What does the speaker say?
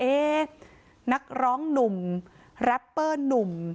นักร้องหนุ่มแรปเปอร์หนุ่ม